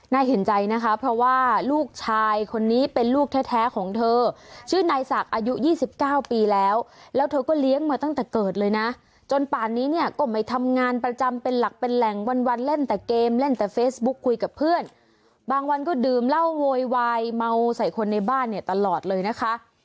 เห็นใจนะคะเพราะว่าลูกชายคนนี้เป็นลูกแท้ของเธอชื่อนายศักดิ์อายุ๒๙ปีแล้วแล้วเธอก็เลี้ยงมาตั้งแต่เกิดเลยนะจนป่านนี้เนี่ยก็ไม่ทำงานประจำเป็นหลักเป็นแหล่งวันวันเล่นแต่เกมเล่นแต่เฟซบุ๊กคุยกับเพื่อนบางวันก็ดื่มเหล้าโวยวายเมาใส่คนในบ้านเนี่ยตลอดเลยนะคะ